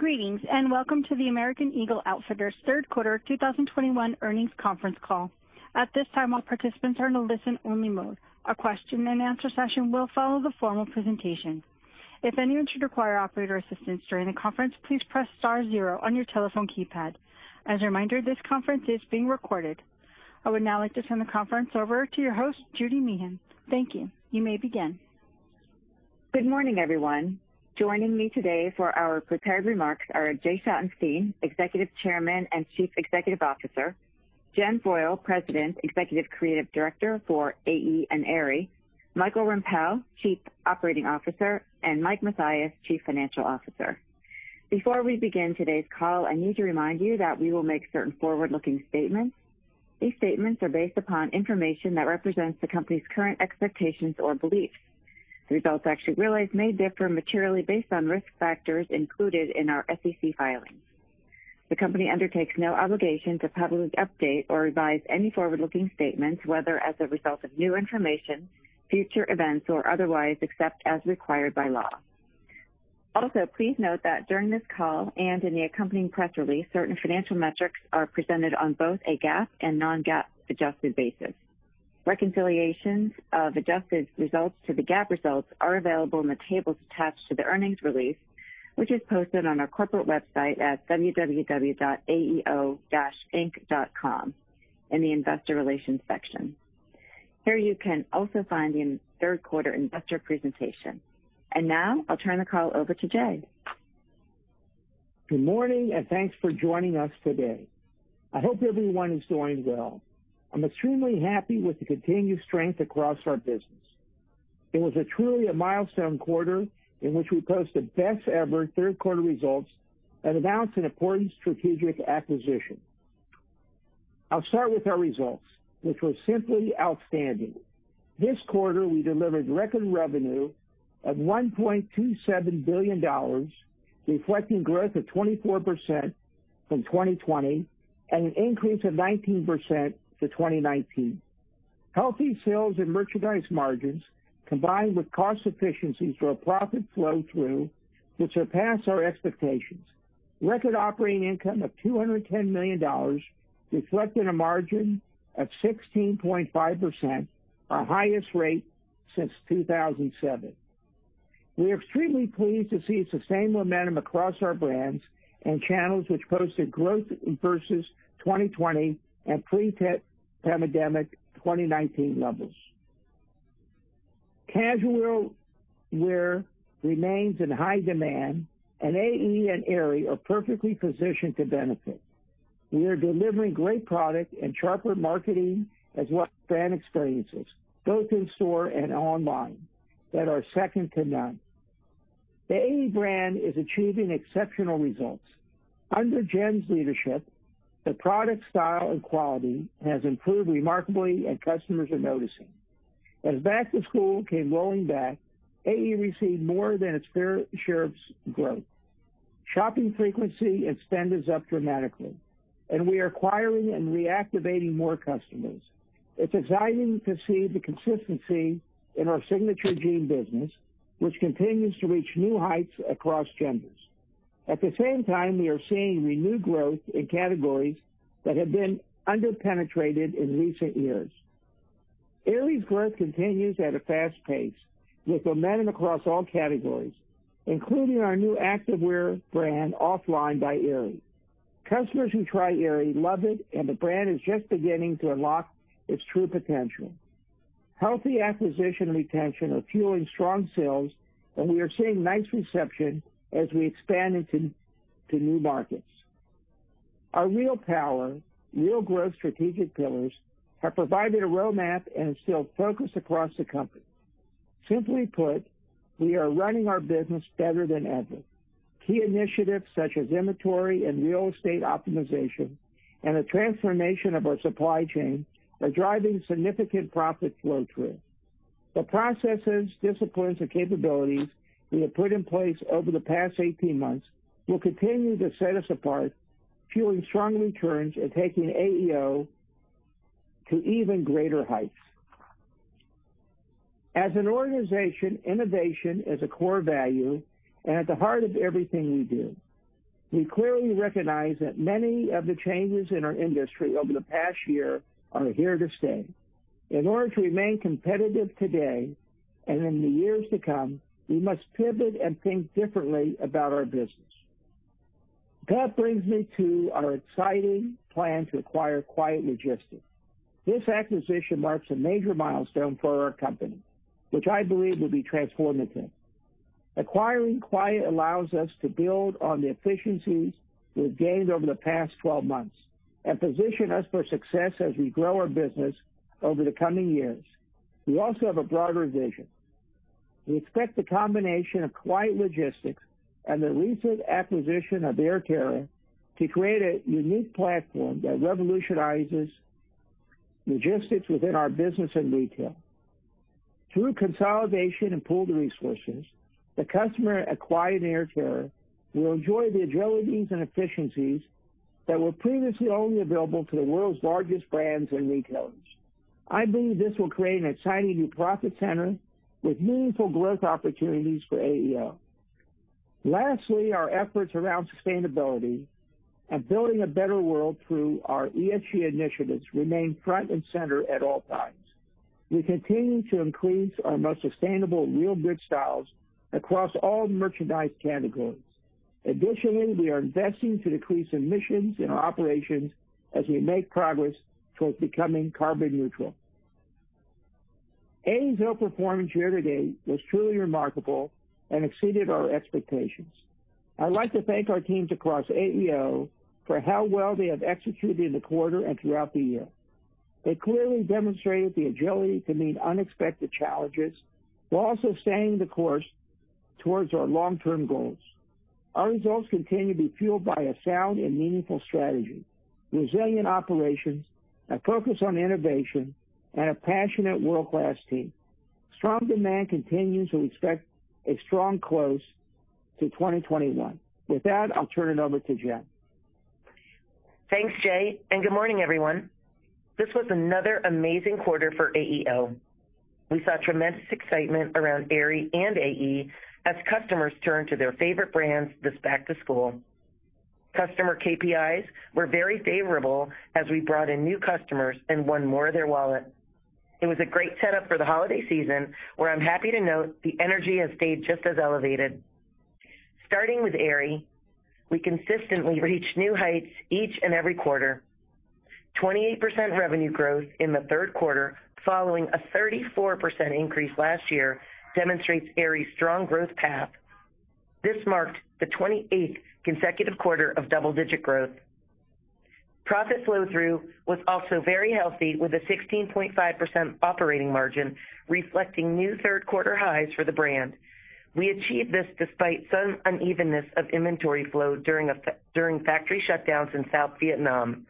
Greetings, and welcome to the American Eagle Outfitters third quarter 2021 earnings conference call. At this time, all participants are in a listen-only mode. A question-and-answer session will follow the formal presentation. If anyone should require operator assistance during the conference, please press star zero on your telephone keypad. As a reminder, this conference is being recorded. I would now like to turn the conference over to your host, Judy Meehan. Thank you. You may begin. Good morning, everyone. Joining me today for our prepared remarks are Jay Schottenstein, Executive Chairman and Chief Executive Officer. Jennifer Foyle, President, Executive Creative Director for AE and Aerie. Michael Rempell, Chief Operating Officer, and Mike Mathias, Chief Financial Officer. Before we begin today's call, I need to remind you that we will make certain forward-looking statements. These statements are based upon information that represents the company's current expectations or beliefs. Results actually realized may differ materially based on risk factors included in our SEC filings. The company undertakes no obligation to publicly update or revise any forward-looking statements, whether as a result of new information, future events, or otherwise, except as required by law. Also, please note that during this call and in the accompanying press release, certain financial metrics are presented on both a GAAP and non-GAAP adjusted basis. Reconciliations of adjusted results to the GAAP results are available in the tables attached to the earnings release, which is posted on our corporate website at www.aeo-inc.com in the Investor Relations section. Here you can also find the third quarter investor presentation. Now I'll turn the call over to Jay. Good morning, and thanks for joining us today. I hope everyone is doing well. I'm extremely happy with the continued strength across our business. It was truly a milestone quarter in which we posted best ever third quarter results and announced an important strategic acquisition. I'll start with our results, which were simply outstanding. This quarter, we delivered record revenue of $1.27 billion, reflecting growth of 24% from 2020 and an increase of 19% to 2019. Healthy sales and merchandise margins, combined with cost efficiencies for a profit flow through to surpass our expectations. Record operating income of $210 million, reflecting a margin of 16.5%, our highest rate since 2007. We are extremely pleased to see sustained momentum across our brands and channels which posted growth versus 2020 at pre-pandemic 2019 levels. Casual wear remains in high demand and AE and Aerie are perfectly positioned to benefit. We are delivering great product and sharper marketing as well as brand experiences both in store and online that are second to none. The AE brand is achieving exceptional results. Under Jen's leadership, the product style and quality has improved remarkably and customers are noticing. As back-to-school came rolling back, AE received more than its fair share of growth. Shopping frequency and spend is up dramatically, and we are acquiring and reactivating more customers. It's exciting to see the consistency in our signature jeans business, which continues to reach new heights across genders. At the same time, we are seeing renewed growth in categories that have been under-penetrated in recent years. Aerie's growth continues at a fast pace with momentum across all categories, including our new activewear brand OFFLINE by Aerie. Customers who try Aerie love it, and the brand is just beginning to unlock its true potential. Healthy acquisition and retention are fueling strong sales, and we are seeing nice reception as we expand into new markets. Our Real Power, Real Growth strategic pillars have provided a roadmap and instilled focus across the company. Simply put, we are running our business better than ever. Key initiatives such as inventory and real estate optimization and the transformation of our supply chain are driving significant profit flow through. The processes, disciplines, and capabilities we have put in place over the past 18 months will continue to set us apart, fueling strong returns and taking AEO to even greater heights. As an organization, innovation is a core value and at the heart of everything we do. We clearly recognize that many of the changes in our industry over the past year are here to stay. In order to remain competitive today and in the years to come, we must pivot and think differently about our business. That brings me to our exciting plan to acquire Quiet Logistics. This acquisition marks a major milestone for our company, which I believe will be transformative. Acquiring Quiet allows us to build on the efficiencies we've gained over the past 12 months and position us for success as we grow our business over the coming years. We also have a broader vision. We expect the combination of Quiet Logistics and the recent acquisition of AirTerra to create a unique platform that revolutionizes logistics within our business and retail. Through consolidation and pooled resources, the customer at Quiet and AirTerra will enjoy the agilities and efficiencies that were previously only available to the world's largest brands and retailers. I believe this will create an exciting new profit center with meaningful growth opportunities for AEO. Lastly, our efforts around sustainability and building a better world through our ESG initiatives remain front and center at all times. We continue to increase our most sustainable Real Good styles across all merchandise categories. Additionally, we are investing to decrease emissions in our operations as we make progress towards becoming carbon neutral. AEO performance year-to-date was truly remarkable and exceeded our expectations. I'd like to thank our teams across AEO for how well they have executed the quarter and throughout the year. They clearly demonstrated the agility to meet unexpected challenges while also staying the course towards our long-term goals. Our results continue to be fueled by a sound and meaningful strategy, resilient operations, a focus on innovation, and a passionate world-class team. Strong demand continues, so we expect a strong close to 2021. With that, I'll turn it over to Jen. Thanks, Jay, and good morning, everyone. This was another amazing quarter for AEO. We saw tremendous excitement around Aerie and AE as customers turned to their favorite brands this back to school. Customer KPIs were very favorable as we brought in new customers and won more of their wallet. It was a great setup for the holiday season, where I'm happy to note the energy has stayed just as elevated. Starting with Aerie, we consistently reach new heights each and every quarter. 28% revenue growth in the third quarter, following a 34% increase last year demonstrates Aerie's strong growth path. This marked the 28th consecutive quarter of double-digit growth. Profit flow-through was also very healthy, with a 16.5% operating margin reflecting new third-quarter highs for the brand. We achieved this despite some unevenness of inventory flow during factory shutdowns in South Vietnam.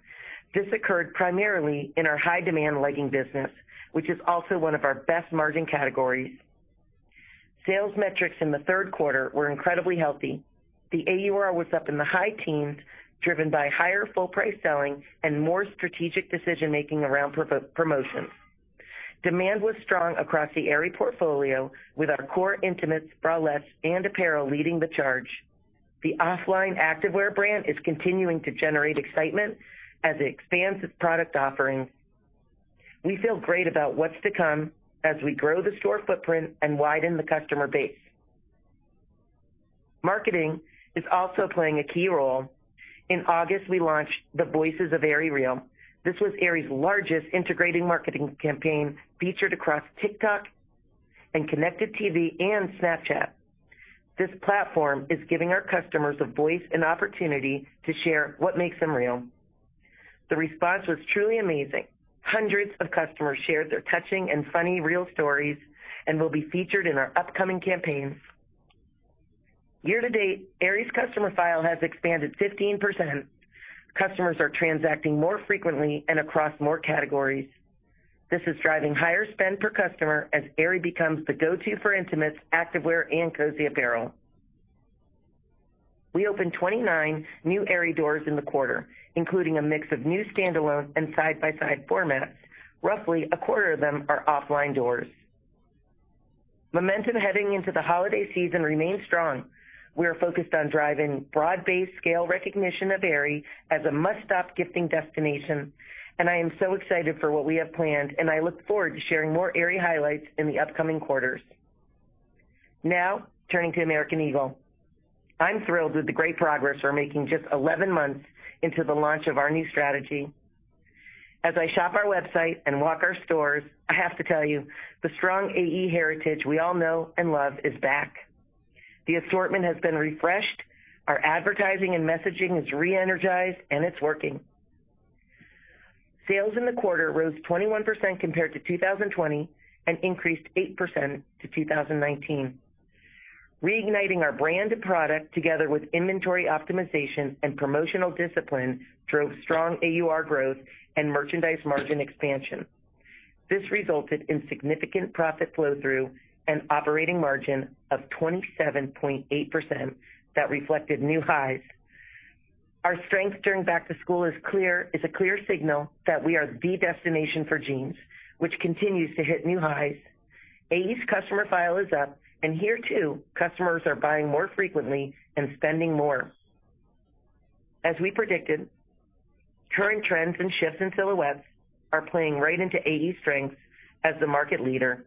This occurred primarily in our high demand legging business, which is also one of our best margin categories. Sales metrics in the third quarter were incredibly healthy. The AUR was up in the high teens, driven by higher full price selling and more strategic decision-making around promotions. Demand was strong across the Aerie portfolio, with our core intimates, bralettes, and apparel leading the charge. The OFFLINE activewear brand is continuing to generate excitement as it expands its product offerings. We feel great about what's to come as we grow the store footprint and widen the customer base. Marketing is also playing a key role. In August, we launched AerieREAL Voices. This was Aerie's largest integrated marketing campaign featured across TikTok and connected TV and Snapchat. This platform is giving our customers a voice and opportunity to share what makes them real. The response was truly amazing. Hundreds of customers shared their touching and funny real stories and will be featured in our upcoming campaigns. Year to date, Aerie's customer file has expanded 15%. Customers are transacting more frequently and across more categories. This is driving higher spend per customer as Aerie becomes the go-to for intimates, activewear, and cozy apparel. We opened 29 new Aerie doors in the quarter, including a mix of new standalone and side-by-side formats. Roughly a quarter of them are OFFLINE doors. Momentum heading into the holiday season remains strong. We are focused on driving broad-based scale recognition of Aerie as a must-stop gifting destination, and I am so excited for what we have planned, and I look forward to sharing more Aerie highlights in the upcoming quarters. Now, turning to American Eagle. I'm thrilled with the great progress we're making just 11 months into the launch of our new strategy. As I shop our website and walk our stores, I have to tell you, the strong AE heritage we all know and love is back. The assortment has been refreshed. Our advertising and messaging is re-energized, and it's working. Sales in the quarter rose 21% compared to 2020 and increased 8% to 2019. Reigniting our brand and product together with inventory optimization and promotional discipline drove strong AUR growth and merchandise margin expansion. This resulted in significant profit flow through an operating margin of 27.8% that reflected new highs. Our strength during back-to-school is a clear signal that we are the destination for jeans, which continues to hit new highs. AE's customer file is up, and here, too, customers are buying more frequently and spending more. As we predicted, current trends and shifts in silhouettes are playing right into AE's strength as the market leader.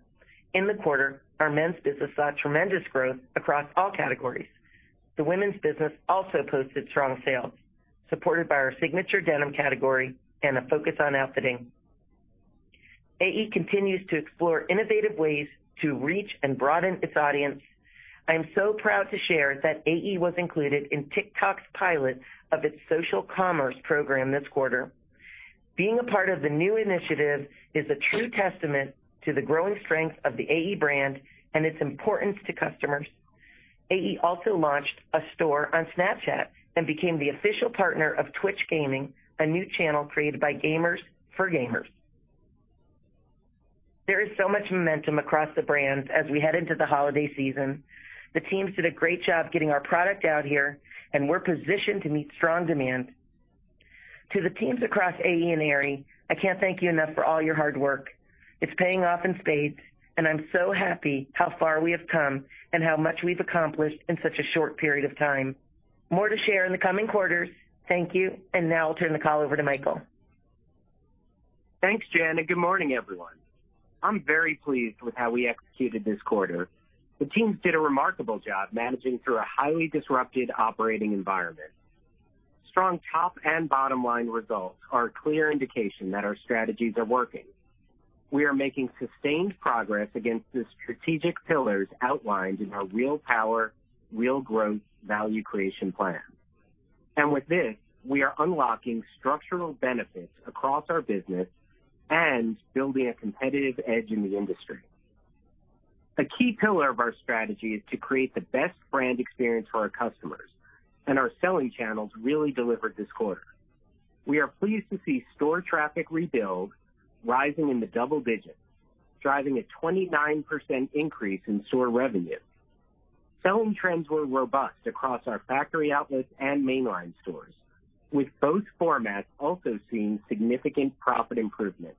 In the quarter, our men's business saw tremendous growth across all categories. The women's business also posted strong sales, supported by our signature denim category and a focus on outfitting. AE continues to explore innovative ways to reach and broaden its audience. I'm so proud to share that AE was included in TikTok's pilot of its social commerce program this quarter. Being a part of the new initiative is a true testament to the growing strength of the AE brand and its importance to customers. AE also launched a store on Snapchat and became the official partner of Twitch Gaming, a new channel created by gamers for gamers. There is so much momentum across the brands as we head into the holiday season. The teams did a great job getting our product out here, and we're positioned to meet strong demand. To the teams across AE and Aerie, I can't thank you enough for all your hard work. It's paying off in spades, and I'm so happy how far we have come and how much we've accomplished in such a short period of time. More to share in the coming quarters. Thank you. Now I'll turn the call over to Michael. Thanks, Jen, and good morning, everyone. I'm very pleased with how we executed this quarter. The teams did a remarkable job managing through a highly disrupted operating environment. Strong top- and bottom-line results are a clear indication that our strategies are working. We are making sustained progress against the strategic pillars outlined in our Real Power, Real Growth value creation plan. With this, we are unlocking structural benefits across our business and building a competitive edge in the industry. A key pillar of our strategy is to create the best brand experience for our customers, and our selling channels really delivered this quarter. We are pleased to see store traffic rebound rising in the double digits, driving a 29% increase in store revenue. Selling trends were robust across our factory outlets and mainline stores, with both formats also seeing significant profit improvements.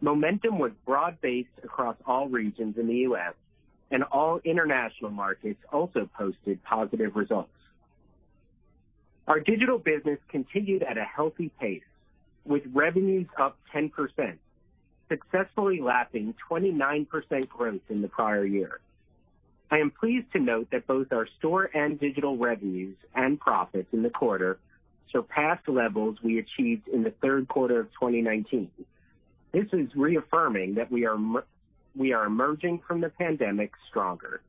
Momentum was broad-based across all regions in the U.S., and all international markets also posted positive results. Our digital business continued at a healthy pace, with revenues up 10%, successfully lapping 29% growth in the prior year. I am pleased to note that both our store and digital revenues and profits in the quarter surpassed levels we achieved in the third quarter of 2019. This is reaffirming that we are emerging from the pandemic stronger.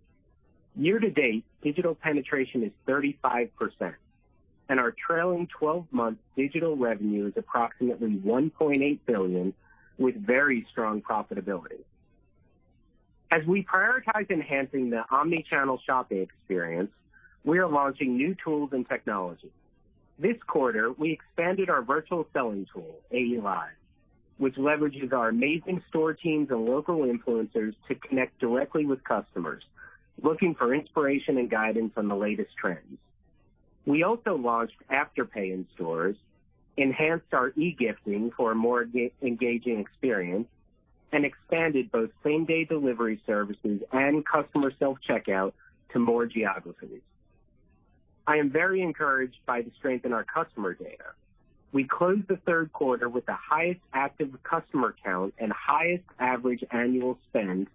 Year to date, digital penetration is 35%, and our trailing 12-month digital revenue is approximately $1.8 billion with very strong profitability. As we prioritize enhancing the omni-channel shopping experience, we are launching new tools and technology. This quarter, we expanded our virtual selling tool, AE Live, which leverages our amazing store teams and local influencers to connect directly with customers looking for inspiration and guidance on the latest trends. We also launched Afterpay in stores, enhanced our e-gifting for a more engaging experience, and expanded both same-day delivery services and customer self-checkout to more geographies. I am very encouraged by the strength in our customer data. We closed the third quarter with the highest active customer count and highest average annual spend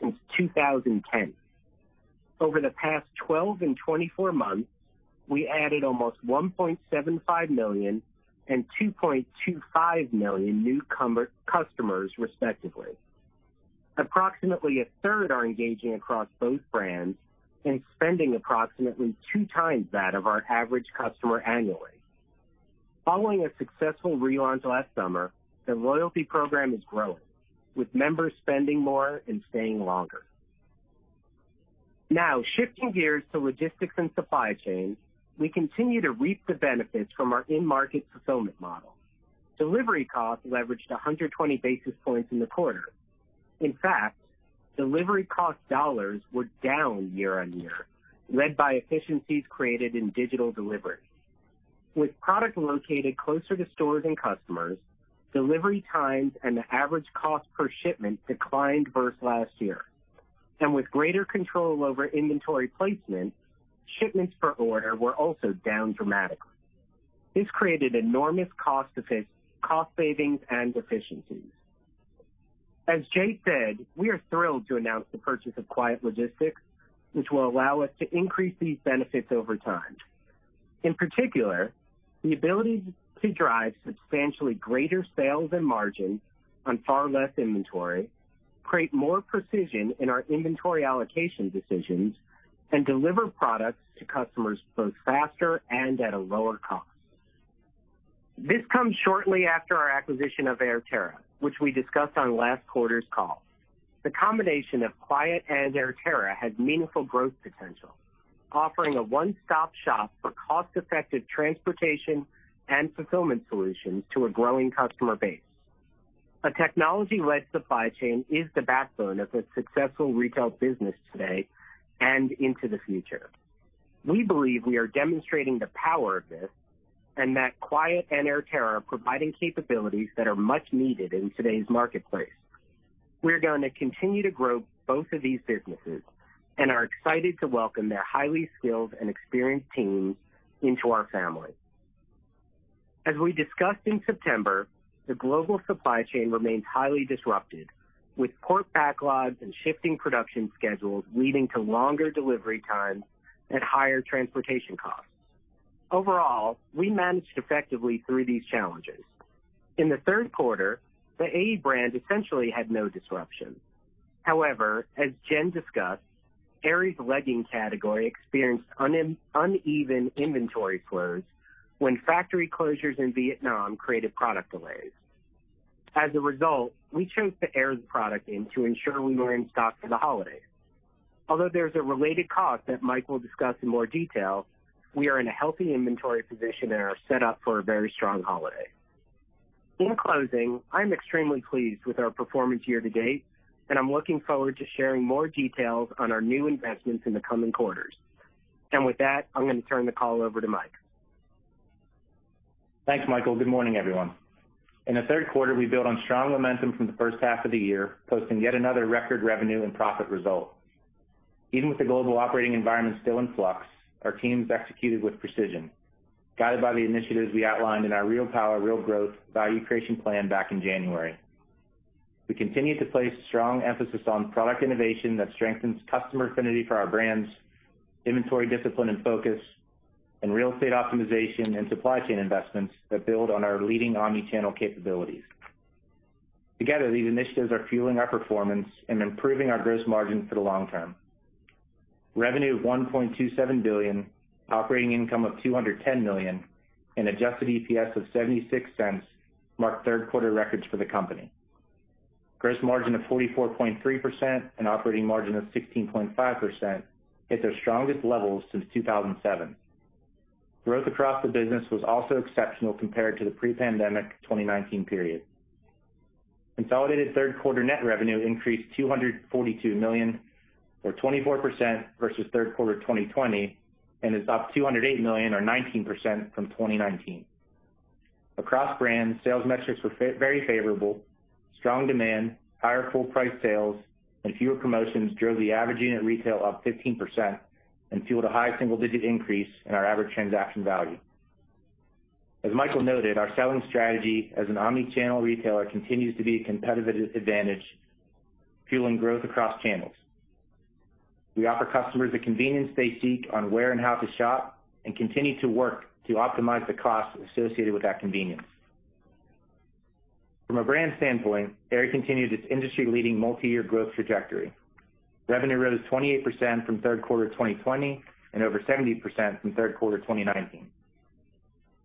since 2010. Over the past 12 and 24 months, we added almost 1.75 million and 2.25 million new customers, respectively. Approximately a third are engaging across both brands and spending approximately two times that of our average customer annually. Following a successful relaunch last summer, the loyalty program is growing, with members spending more and staying longer. Now, shifting gears to logistics and supply chain, we continue to reap the benefits from our in-market fulfillment model. Delivery costs leveraged 120 basis points in the quarter. In fact, delivery cost dollars were down year-over-year, led by efficiencies created in digital delivery. With product located closer to stores and customers, delivery times and the average cost per shipment declined versus last year. With greater control over inventory placement, shipments per order were also down dramatically. This created enormous cost savings and efficiencies. As Jay said, we are thrilled to announce the purchase of Quiet Logistics, which will allow us to increase these benefits over time. In particular, the ability to drive substantially greater sales and margin on far less inventory, create more precision in our inventory allocation decisions, and deliver products to customers both faster and at a lower cost. This comes shortly after our acquisition of AirTerra, which we discussed on last quarter's call. The combination of Quiet and AirTerra has meaningful growth potential, offering a one-stop shop for cost-effective transportation and fulfillment solutions to a growing customer base. A technology-led supply chain is the backbone of a successful retail business today and into the future. We believe we are demonstrating the power of this and that Quiet and AirTerra are providing capabilities that are much needed in today's marketplace. We're going to continue to grow both of these businesses and are excited to welcome their highly skilled and experienced teams into our family. As we discussed in September, the global supply chain remains highly disrupted, with port backlogs and shifting production schedules leading to longer delivery times and higher transportation costs. Overall, we managed effectively through these challenges. In the third quarter, the AE brand essentially had no disruption. However, as Jen discussed, Aerie's legging category experienced uneven inventory flows when factory closures in Vietnam created product delays. As a result, we chose to airfreight the product in to ensure we were in stock for the holiday. Although there's a related cost that Mike will discuss in more detail, we are in a healthy inventory position and are set up for a very strong holiday. In closing, I'm extremely pleased with our performance year-to-date, and I'm looking forward to sharing more details on our new investments in the coming quarters. With that, I'm gonna turn the call over to Mike. Thanks, Michael. Good morning, everyone. In the third quarter, we built on strong momentum from the first half of the year, posting yet another record revenue and profit result. Even with the global operating environment still in flux, our teams executed with precision, guided by the initiatives we outlined in our Real Power. Real Growth. value creation plan back in January. We continued to place strong emphasis on product innovation that strengthens customer affinity for our brands, inventory discipline, and focus, and real estate optimization and supply chain investments that build on our leading omni-channel capabilities. Together, these initiatives are fueling our performance and improving our gross margin for the long term. Revenue of $1.27 billion, operating income of $210 million, and adjusted EPS of $0.76 marked third quarter records for the company. Gross margin of 44.3% and operating margin of 16.5% hit their strongest levels since 2007. Growth across the business was also exceptional compared to the pre-pandemic 2019 period. Consolidated third quarter net revenue increased $242 million or 24% versus third quarter 2020, and is up $208 million or 19% from 2019. Across brands, sales metrics were very favorable. Strong demand, higher full price sales, and fewer promotions drove the average unit retail up 15% and fueled a high single-digit increase in our average transaction value. As Michael noted, our selling strategy as an omni-channel retailer continues to be a competitive advantage, fueling growth across channels. We offer customers the convenience they seek on where and how to shop and continue to work to optimize the costs associated with that convenience. From a brand standpoint, Aerie continued its industry-leading multi-year growth trajectory. Revenue rose 28% from third quarter 2020 and over 70% from third quarter 2019.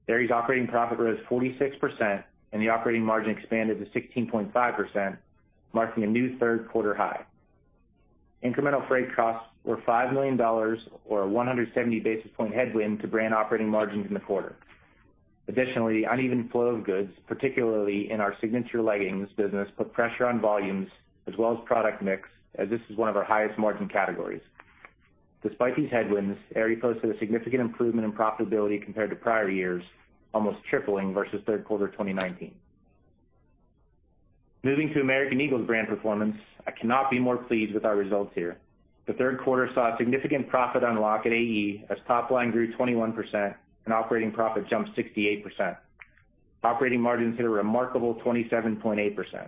Aerie's operating profit rose 46% and the operating margin expanded to 16.5%, marking a new third-quarter high. Incremental freight costs were $5 million or a 170 basis points headwind to brand operating margins in the quarter. Additionally, uneven flow of goods, particularly in our signature leggings business, put pressure on volumes as well as product mix, as this is one of our highest margin categories. Despite these headwinds, Aerie posted a significant improvement in profitability compared to prior years, almost tripling versus third quarter 2019. Moving to American Eagle's brand performance, I cannot be more pleased with our results here. The third quarter saw a significant profit unlock at AE as top line grew 21% and operating profit jumped 68%. Operating margins hit a remarkable 27.8%.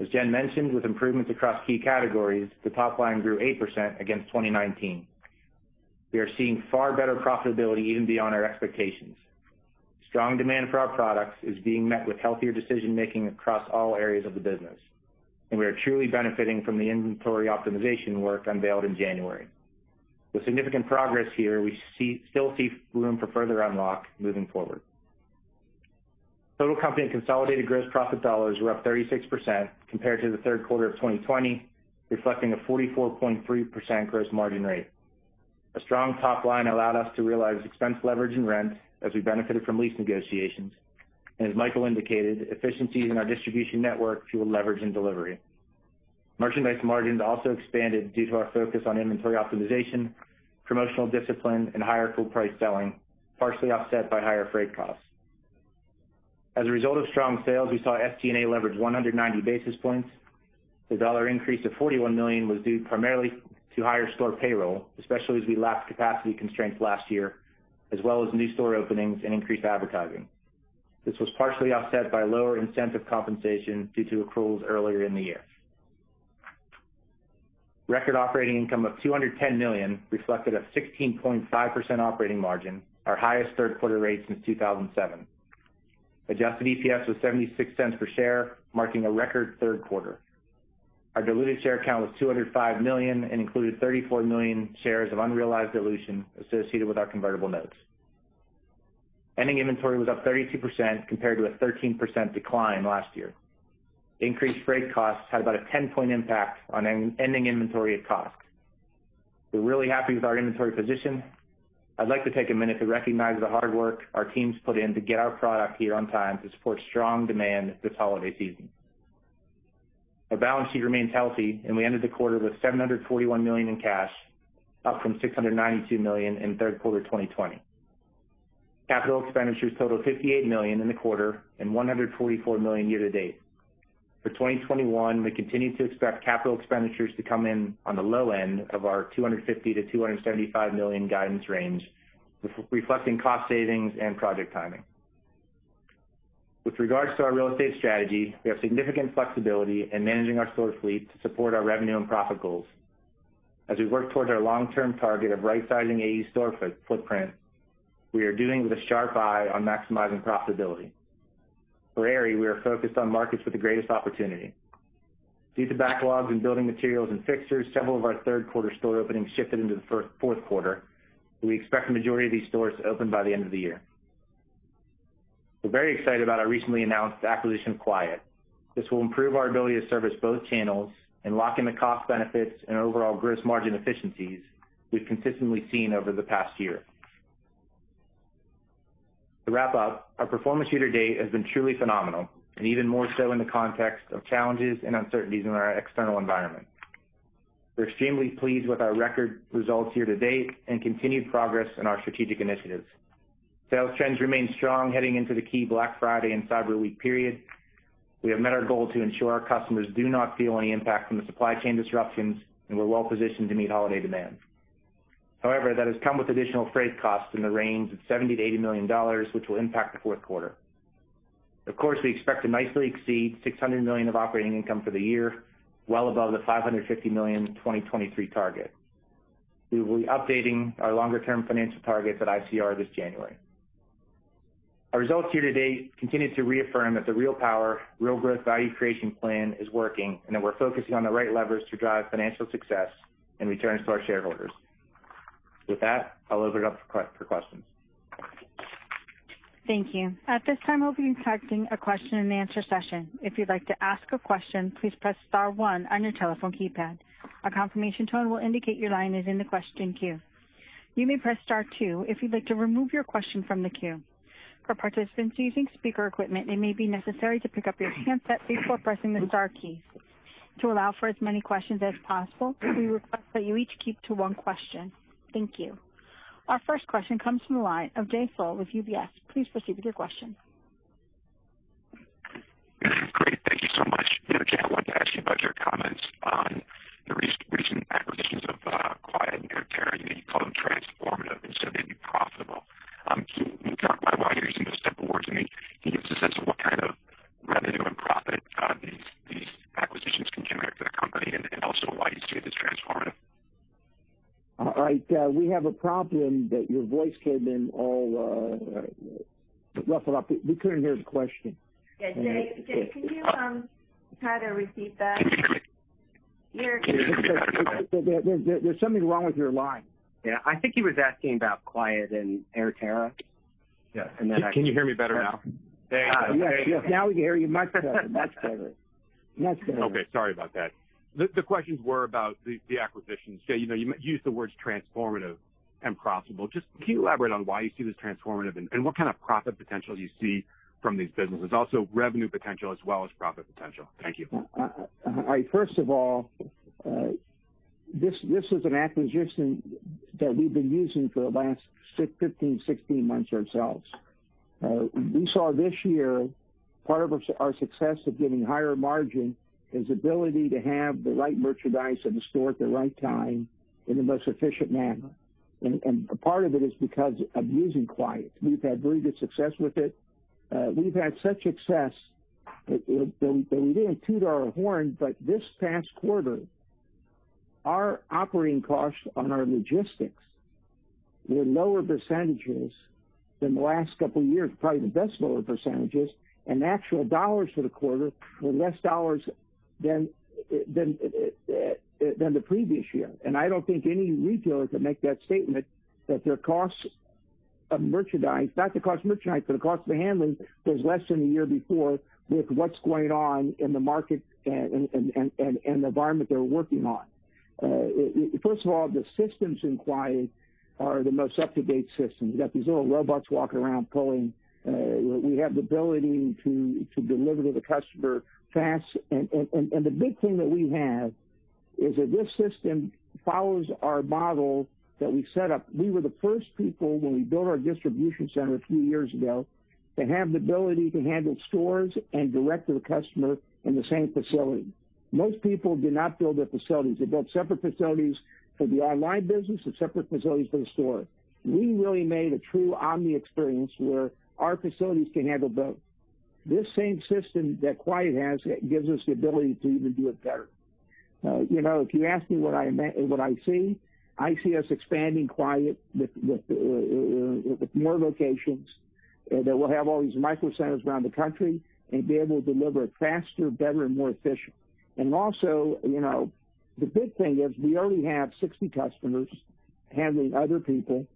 As Jen mentioned, with improvements across key categories, the top line grew 8% against 2019. We are seeing far better profitability even beyond our expectations. Strong demand for our products is being met with healthier decision-making across all areas of the business, and we are truly benefiting from the inventory optimization work unveiled in January. With significant progress here, we still see room for further unlock moving forward. Total company consolidated gross profit dollars were up 36% compared to the third quarter of 2020, reflecting a 44.3% gross margin rate. A strong top line allowed us to realize expense leverage in rent as we benefited from lease negotiations. As Michael indicated, efficiencies in our distribution network fueled leverage in delivery. Merchandise margins also expanded due to our focus on inventory optimization, promotional discipline, and higher full price selling, partially offset by higher freight costs. As a result of strong sales, we saw SG&A leverage 190 basis points. The dollar increase of $41 million was due primarily to higher store payroll, especially as we lacked capacity constraints last year, as well as new store openings and increased advertising. This was partially offset by lower incentive compensation due to accruals earlier in the year. Record operating income of $210 million reflected a 16.5% operating margin, our highest third quarter rate since 2007. Adjusted EPS was $0.76 per share, marking a record third quarter. Our diluted share count was $205 million and included $34 million shares of unrealized dilution associated with our convertible notes. Ending inventory was up 32% compared to a 13% decline last year. Increased freight costs had about a 10-point impact on ending inventory at cost. We're really happy with our inventory position. I'd like to take a minute to recognize the hard work our teams put in to get our product here on time to support strong demand this holiday season. Our balance sheet remains healthy, and we ended the quarter with $741 million in cash, up from $692 million in third quarter 2020. Capital expenditures totaled $58 million in the quarter and $144 million year to date. For 2021, we continue to expect capital expenditures to come in on the low end of our $250 million-$275 million guidance range, reflecting cost savings and project timing. With regards to our real estate strategy, we have significant flexibility in managing our store fleet to support our revenue and profit goals. As we work towards our long-term target of right-sizing AE's store footprint, we are doing it with a sharp eye on maximizing profitability. For Aerie, we are focused on markets with the greatest opportunity. Due to backlogs in building materials and fixtures, several of our third quarter store openings shifted into the fourth quarter. We expect the majority of these stores to open by the end of the year. We're very excited about our recently announced acquisition of Quiet Logistics. This will improve our ability to service both channels and lock in the cost benefits and overall gross margin efficiencies we've consistently seen over the past year. To wrap up, our performance year-to-date has been truly phenomenal and even more so in the context of challenges and uncertainties in our external environment. We're extremely pleased with our record results year-to-date and continued progress in our strategic initiatives. Sales trends remain strong heading into the key Black Friday and Cyber Week period. We have met our goal to ensure our customers do not feel any impact from the supply chain disruptions, and we're well positioned to meet holiday demand. However, that has come with additional freight costs in the range of $70 million-$80 million, which will impact the fourth quarter. Of course, we expect to nicely exceed $600 million of operating income for the year, well above the $550 million 2023 target. We will be updating our longer-term financial targets at ICR this January. Our results here to date continue to reaffirm that the Real Power. Real Growth. value creation plan is working and that we're focusing on the right levers to drive financial success and returns to our shareholders. With that, I'll open it up for questions. Thank you. At this time, we'll be conducting a question-and-answer session. If you'd like to ask a question, please press star one on your telephone keypad. A confirmation tone will indicate your line is in the question queue. You may press star two if you'd like to remove your question from the queue. For participants using speaker equipment, it may be necessary to pick up your handset before pressing the star keys. To allow for as many questions as possible, we request that you each keep to one question. Thank you. Our first question comes from the line of Jay Sole with UBS. Please proceed with your question. Great. Thank you so much. You know, Jay, I wanted to ask you about your comments on the recent acquisitions of Quiet Logistics and AirTerra. You know, you called them transformative and said they'd be profitable. Can you talk about why you're using those type of words? I mean, can you give us a sense of what kind of revenue and profit these acquisitions can generate for the company and also why you see it as transformative? All right. We have a problem that your voice came in all, ruffled up. We couldn't hear the question. Yeah. Jay, can you try to repeat that? There's something wrong with your line. Yeah. I think he was asking about Quiet and AirTerra. Yeah. Can you hear me better now? There you go. Yes. Now we can hear you much better. Okay. Sorry about that. The questions were about the acquisitions. You know, you used the words transformative and profitable. Just can you elaborate on why you see this transformative and what kind of profit potential you see from these businesses, also revenue potential as well as profit potential? Thank you. First of all, this is an acquisition that we've been using for the last six, 15, 16 months ourselves. We saw this year, part of our success of getting higher margin is ability to have the right merchandise in the store at the right time in the most efficient manner. A part of it is because of using Quiet. We've had very good success with it. We've had such success that we didn't toot our horn, but this past quarter, our operating costs on our logistics were lower percentages than the last couple of years, probably the best lower percentages, and actual dollars for the quarter were less dollars than the previous year. I don't think any retailer can make that statement, that their costs of merchandise, not the cost of merchandise, but the cost of the handling was less than the year before with what's going on in the market and the environment they're working on. First of all, the systems in Quiet are the most up-to-date systems. You got these little robots walking around pulling. We have the ability to deliver to the customer fast. The big thing that we have is that this system follows our model that we set up. We were the first people when we built our distribution center a few years ago, to have the ability to handle stores and direct to the customer in the same facility. Most people do not build their facilities. They built separate facilities for the online business and separate facilities for the store. We really made a true omni experience where our facilities can handle both. This same system that Quiet has gives us the ability to even do it better. You know, if you ask me what I see, I see us expanding Quiet with more locations, that we'll have all these micro centers around the country and be able to deliver faster, better, and more efficient. Also, you know, the big thing is we only have 60 customers handling other people,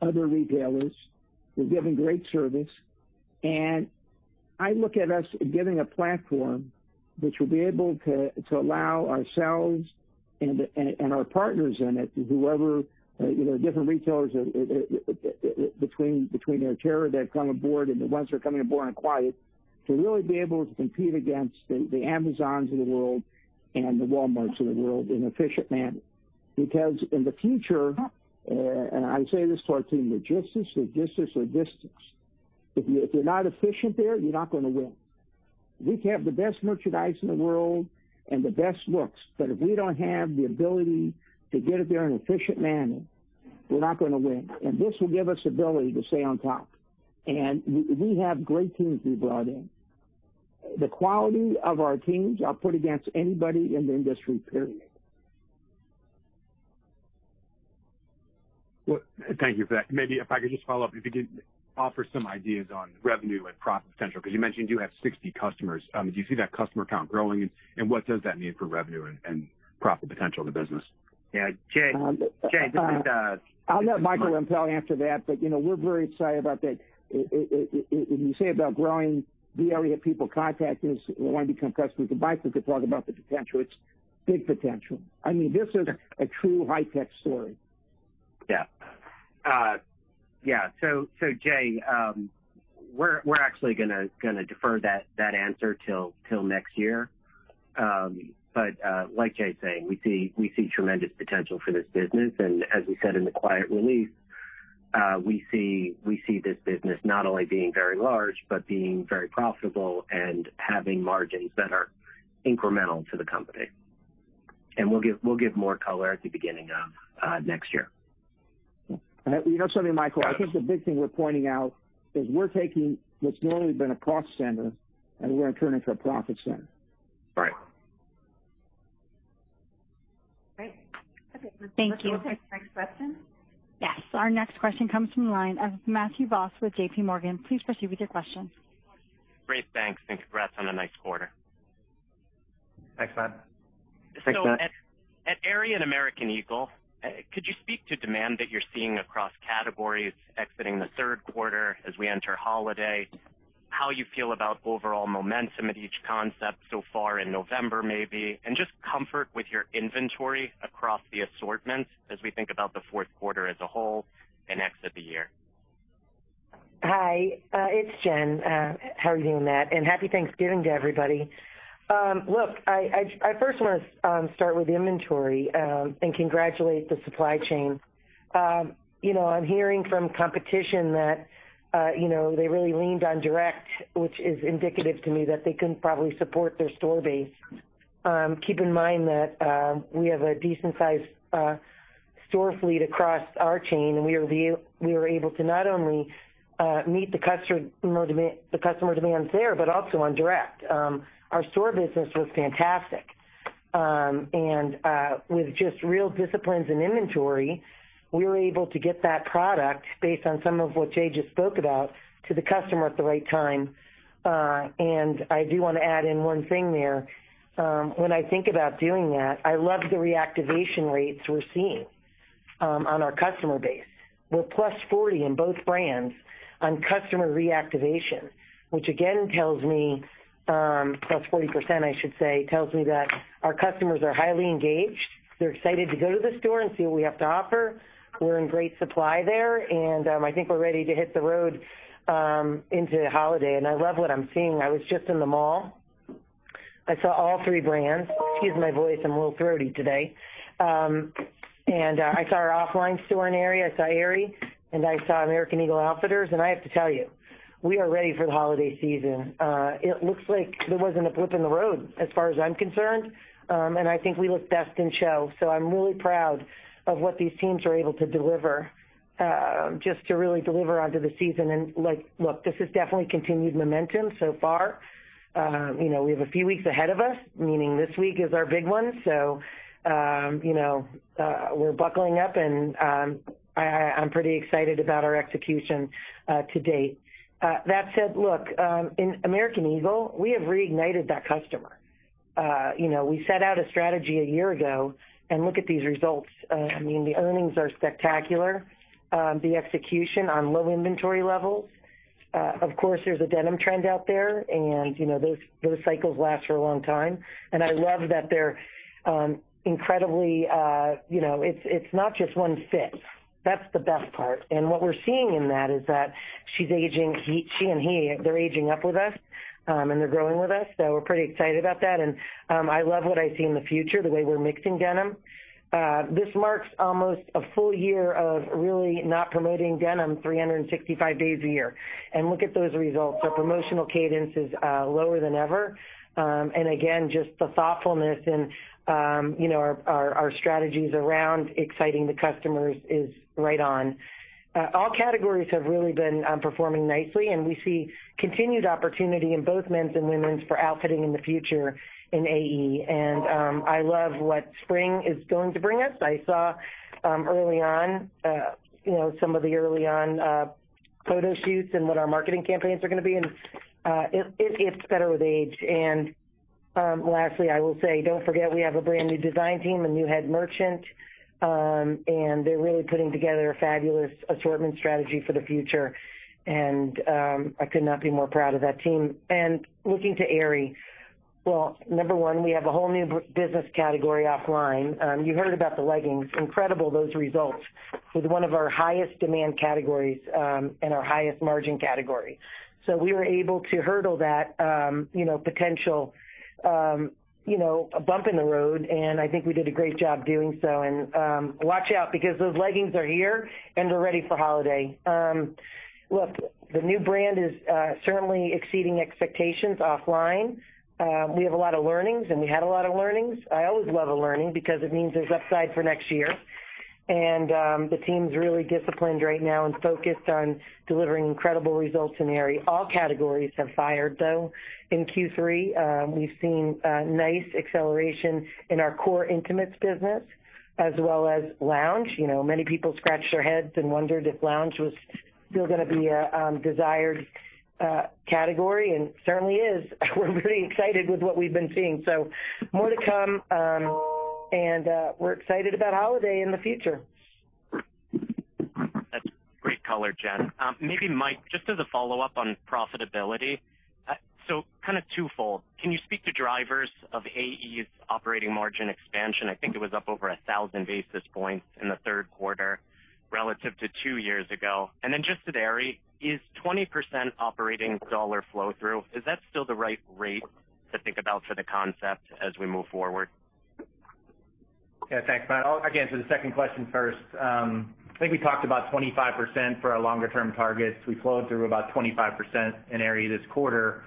other retailers. We're giving great service. I look at us getting a platform which will be able to allow ourselves and our partners in it, whoever, you know, different retailers, between AirTerra that come aboard and the ones that are coming aboard in Quiet, to really be able to compete against the Amazons of the world and the Walmarts of the world in an efficient manner. Because in the future, and I say this to our team, logistics are distance. If you're not efficient there, you're not gonna win. We can have the best merchandise in the world and the best looks, but if we don't have the ability to get it there in an efficient manner, we're not gonna win. This will give us ability to stay on top. We have great teams we brought in. The quality of our teams, I'll put against anybody in the industry, period. Well, thank you for that. Maybe if I could just follow up, if you could offer some ideas on revenue and profit potential, because you mentioned you have 60 customers. Do you see that customer count growing, and what does that mean for revenue and profit potential of the business? Yeah, Jay, this is Michael. I'll let Michael reply after that, but you know, we're very excited about that. When you say about growing the Aerie, people contact us, we wanna become customers with the bikes, we could talk about the potential. It's big potential. I mean, this is a true high-tech story. Yeah. Jay, we're actually gonna defer that answer till next year. Like Jay is saying, we see tremendous potential for this business. As we said in the quiet release, we see this business not only being very large, but being very profitable and having margins that are incremental to the company. We'll give more color at the beginning of next year. You know something, Michael? Yes. I think the big thing we're pointing out is we're taking what's normally been a cost center, and we're gonna turn into a profit center. Right. Great. Okay. Thank you. Let's go to the next question. Yes. Our next question comes from the line of Matthew Boss with JPMorgan. Please proceed with your question. Great. Thanks, and congrats on a nice quarter. Thanks, Matt. At Aerie and American Eagle, could you speak to demand that you're seeing across categories exiting the third quarter as we enter holiday, how you feel about overall momentum at each concept so far in November, maybe, and just comfort with your inventory across the assortments as we think about the fourth quarter as a whole and exit the year? Hi. It's Jen. How are you doing, Matt? Happy Thanksgiving to everybody. Look, I first want to start with inventory and congratulate the supply chain. You know, I'm hearing from competition that you know, they really leaned on direct, which is indicative to me that they couldn't probably support their store base. Keep in mind that we have a decent sized store fleet across our chain, and we were able to not only meet the customer demand there, but also on direct. Our store business was fantastic. With just real discipline and inventory, we were able to get that product based on some of what Jay just spoke about to the customer at the right time. I do want to add in one thing there. When I think about doing that, I love the reactivation rates we're seeing on our customer base. We're +40 in both brands on customer reactivation, which again tells me, plus forty percent, I should say, tells me that our customers are highly engaged. They're excited to go to the store and see what we have to offer. We're in great supply there, and I think we're ready to hit the road into the holiday. I love what I'm seeing. I was just in the mall. I saw all three brands. Excuse my voice. I'm a little throaty today. I saw our OFFLINE store in Aerie. I saw Aerie, and I saw American Eagle Outfitters. I have to tell you, we are ready for the holiday season. It looks like there wasn't a blip in the road as far as I'm concerned, and I think we look best in show. I'm really proud of what these teams are able to deliver, just to really deliver onto the season. Like, look, this is definitely continued momentum so far. You know, we have a few weeks ahead of us, meaning this week is our big one. You know, we're buckling up and I'm pretty excited about our execution to date. That said, look, in American Eagle, we have reignited that customer. You know, we set out a strategy a year ago and look at these results. I mean, the earnings are spectacular. The execution on low inventory levels. Of course, there's a denim trend out there and, you know, those cycles last for a long time. I love that they're incredibly, you know. It's not just one fit. That's the best part. What we're seeing in that is that she's aging, she and he, they're aging up with us, and they're growing with us. We're pretty excited about that. I love what I see in the future, the way we're mixing denim. This marks almost a full year of really not promoting denim 365 days a year. Look at those results. The promotional cadence is lower than ever. Again, just the thoughtfulness and, you know, our strategies around exciting the customers is right on. All categories have really been performing nicely, and we see continued opportunity in both men's and women's for outfitting in the future in AE. I love what spring is going to bring us. I saw early on you know some of the photo shoots and what our marketing campaigns are gonna be, and it's better with age. Lastly, I will say, don't forget we have a brand new design team, a new head merchant, and they're really putting together a fabulous assortment strategy for the future. I could not be more proud of that team. Looking to Aerie. Well, number one, we have a whole new business category OFFLINE. You heard about the leggings. Incredible, those results. It's one of our highest demand categories and our highest margin category. We were able to hurdle that, you know, potential, you know, a bump in the road, and I think we did a great job doing so. Watch out because those leggings are here, and they're ready for holiday. Look, the new brand is certainly exceeding expectations OFFLINE. We have a lot of learnings, and we had a lot of learnings. I always love a learning because it means there's upside for next year. The team's really disciplined right now and focused on delivering incredible results in Aerie. All categories have fired, though. In Q3, we've seen nice acceleration in our core intimates business as well as lounge. You know, many people scratched their heads and wondered if lounge was still gonna be a desired category, and it certainly is. We're very excited with what we've been seeing, so more to come, we're excited about holiday in the future. Great color, Jen. Maybe Mike, just as a follow-up on profitability. So kinda twofold. Can you speak to drivers of AE's operating margin expansion? I think it was up over a thousand basis points in the third quarter relative to two years ago. Then just to Aerie, is 20% operating dollar flow through? Is that still the right rate to think about for the concept as we move forward? Yeah, thanks, Matt. I'll answer the second question first. I think we talked about 25% for our longer term targets. We flowed through about 25% in Aerie this quarter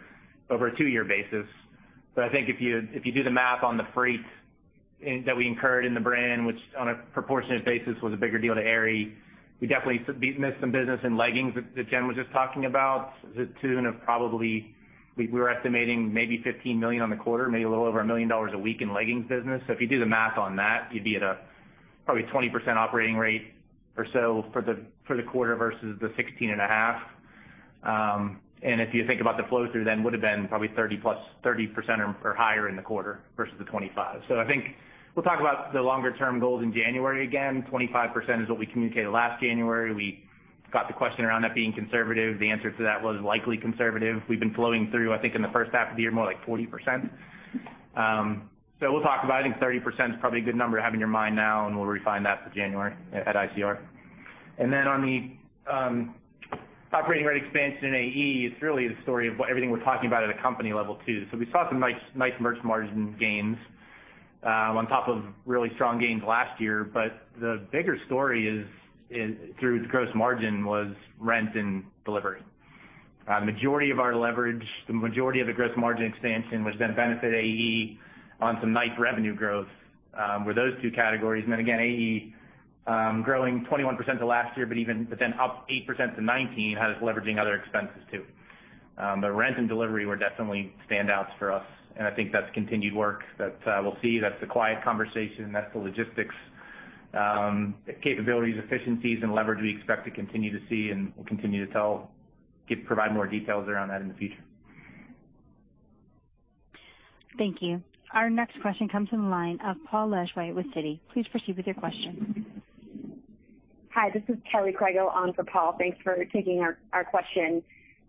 over a two-year basis. But I think if you do the math on the freight in that we incurred in the brand, which on a proportionate basis was a bigger deal to Aerie, we definitely missed some business in leggings that Jen was just talking about to the tune of probably $15 million on the quarter, maybe a little over $1 million a week in leggings business. So if you do the math on that, you'd be at a probably 20% operating rate or so for the quarter versus the 16.5%. If you think about the flow through then, would have been probably 30% or higher in the quarter versus the 25. I think we'll talk about the longer term goals in January again. 25% is what we communicated last January. We got the question around that being conservative. The answer to that was likely conservative. We've been flowing through, I think in the first half of the year, more like 40%. We'll talk about it. I think 30% is probably a good number to have in your mind now, and we'll refine that for January at ICR. On the operating rate expansion in AE, it's really the story of what everything we're talking about at a company level too. We saw some nice merch margin gains on top of really strong gains last year. The bigger story is the gross margin was rent and delivery. Majority of our leverage, the majority of the gross margin expansion, which then benefit AE on some nice revenue growth, were those two categories. Then again, AE growing 21% to last year, but then up 8% to 2019, has leveraging other expenses too. Rent and delivery were definitely standouts for us, and I think that's continued work that we'll see. That's the quiet conversation. That's the logistics capabilities, efficiencies and leverage we expect to continue to see and we'll continue to provide more details around that in the future. Thank you. Our next question comes from the line of Paul Lejuez with Citi. Please proceed with your question. Hi, this is Kelly Crago on for Paul. Thanks for taking our question.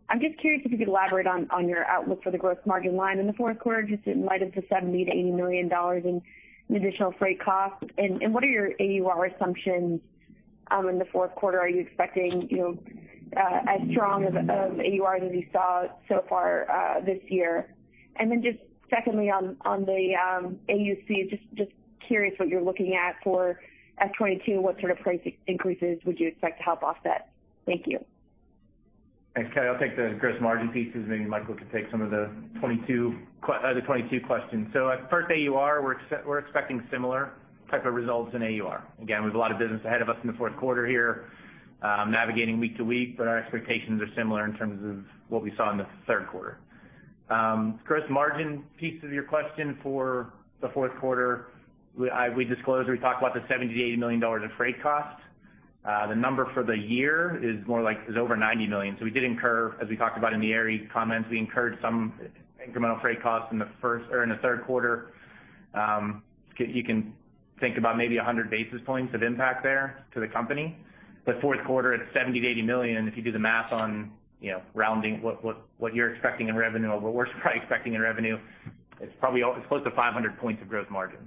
I'm just curious if you could elaborate on your outlook for the gross margin line in the fourth quarter, just in light of the $70 million-$80 million in additional freight costs. What are your AUR assumptions in the fourth quarter? Are you expecting, you know, as strong of AUR that we saw so far this year? Just secondly on the AUC, just curious what you're looking at for FY 2022, what sort of price increases would you expect to help offset? Thank you. Thanks, Kelly. I'll take the gross margin pieces, and maybe Michael can take some of the other 2022 questions. At first AUR, we're expecting similar type of results in AUR. Again, we have a lot of business ahead of us in the fourth quarter here, navigating week to week, but our expectations are similar in terms of what we saw in the third quarter. Gross margin piece of your question for the fourth quarter, we disclosed, we talked about the $70 million-$80 million in freight costs. The number for the year is more like over $90 million. We did incur, as we talked about in the Aerie comments, we incurred some incremental freight costs in the first or in the third quarter. You can think about maybe 100 basis points of impact there to the company. Fourth quarter, it's $70 million-$80 million. If you do the math on, you know, rounding what you're expecting in revenue or what we're probably expecting in revenue, it's probably close to 500 points of gross margin.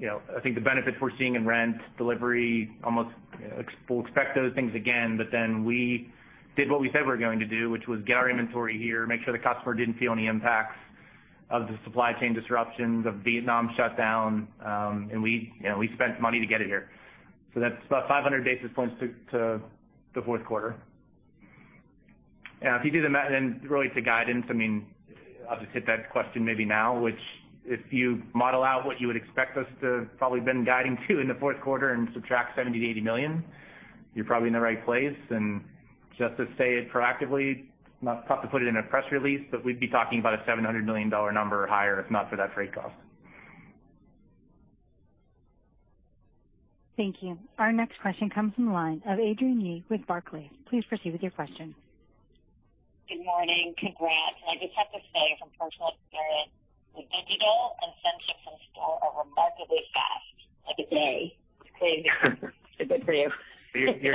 I think the benefits we're seeing in rent, delivery, we'll expect those things again. We did what we said we were going to do, which was get our inventory here, make sure the customer didn't feel any impacts of the supply chain disruptions, of Vietnam shutdown, and we spent money to get it here. That's about 500 basis points to the fourth quarter. If you do the math, then really add to guidance, I mean, I'll just hit that question maybe now, which if you model out what you would expect us to probably been guiding to in the fourth quarter and subtract $70 million-$80 million, you're probably in the right place. Just to say it proactively, it's not tough to put it in a press release, but we'd be talking about a $700 million number or higher if not for that freight cost. Thank you. Our next question comes from the line of Adrienne Yih with Barclays. Please proceed with your question. Good morning. Congrats. I just have to say from personal experience, the digital ship-from-store are remarkably fast, like a day. Good for you. You're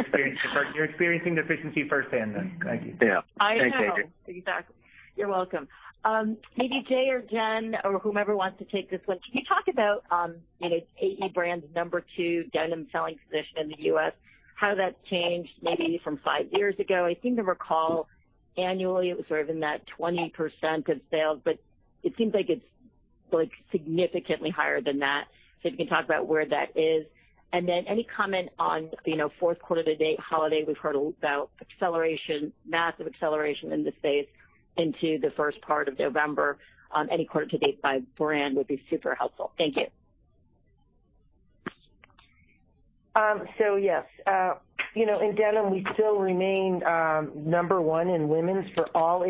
experiencing the efficiency firsthand then. Thank you. Yeah. Thanks, Adrienne. I have. Exactly. You're welcome. Maybe Jay or Jen or whomever wants to take this one. Can you talk about, you know, AE brand's number two denim selling position in the U.S., how that's changed maybe from five years ago? I seem to recall annually it was sort of in that 20% of sales, but it seems like it's, like, significantly higher than that. So if you can talk about where that is. Any comment on, you know, fourth-quarter-to-date holiday, we've heard about acceleration, massive acceleration in the space into the first part of November. Any quarter-to-date by brand would be super helpful. Thank you. Yes. You know, in denim, we still remain number one in women's for all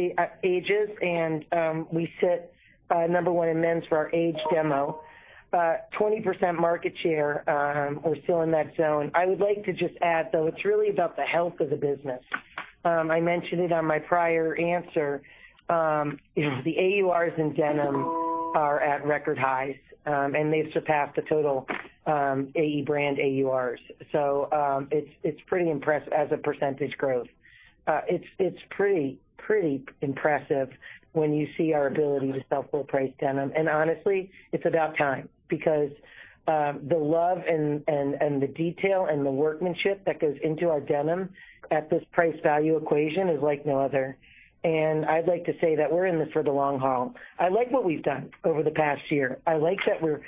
ages, and we sit number one in men's for our age demo. 20% market share, we're still in that zone. I would like to just add, though, it's really about the health of the business. I mentioned it on my prior answer, the AURs in denim are at record highs, and they've surpassed the total AE brand AURs. It's pretty impressive as a percentage growth. It's pretty impressive when you see our ability to sell full price denim. Honestly, it's about time because the love and the detail and the workmanship that goes into our denim at this price value equation is like no other. I'd like to say that we're in this for the long haul. I like what we've done over the past year. I like that we're,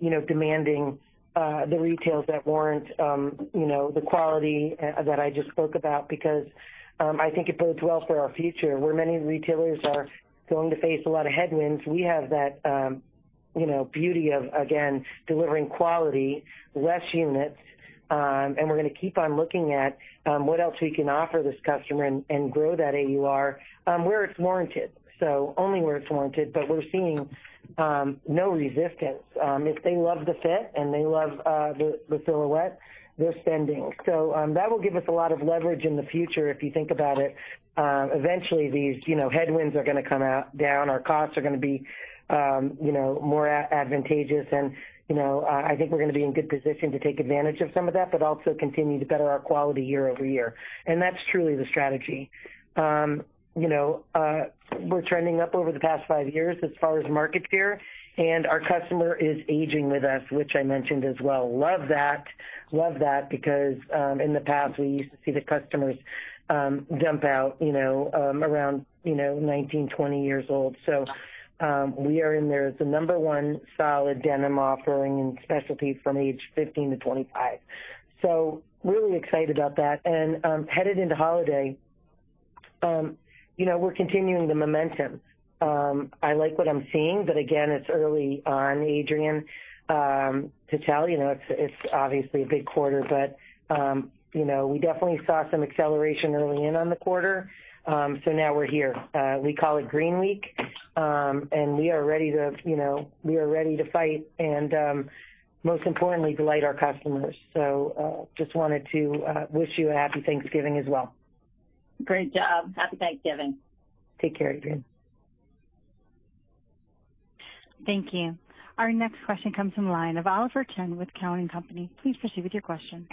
you know, demanding the retails that warrant, you know, the quality that I just spoke about because I think it bodes well for our future, where many retailers are going to face a lot of headwinds. We have that, you know, beauty of, again, delivering quality, less units, and we're gonna keep on looking at what else we can offer this customer and grow that AUR, where it's warranted, so only where it's warranted. We're seeing no resistance. If they love the fit and they love the silhouette, they're spending. That will give us a lot of leverage in the future, if you think about it. Eventually these, you know, headwinds are gonna come down. Our costs are gonna be, you know, more advantageous. You know, I think we're gonna be in good position to take advantage of some of that, but also continue to better our quality year over year. That's truly the strategy. You know, we're trending up over the past five years as far as market share, and our customer is aging with us, which I mentioned as well. Love that because in the past, we used to see the customers dump out, you know, around, you know, 19, 20 years old. We are in there as the number one solid denim offering in specialty from age 15 to 25. Really excited about that. Headed into holiday, you know, we're continuing the momentum. I like what I'm seeing, but again, it's early on, Adrienne, to tell. You know, it's obviously a big quarter, but you know, we definitely saw some acceleration early on in the quarter. Now we're here. We call it Green Week. We are ready to fight and, most importantly, delight our customers. Just wanted to wish you a happy Thanksgiving as well. Great job. Happy Thanksgiving. Take care, Adrienne. Thank you. Our next question comes from the line of Oliver Chen with Cowen and Company. Please proceed with your question.